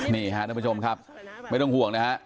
นี่ค่ะท่านผู้ชมครับไม่ต้องห่วงนะฮะ